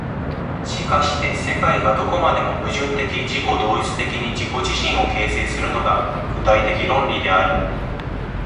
しかして世界がどこまでも矛盾的自己同一的に自己自身を形成するのが、具体的論理である。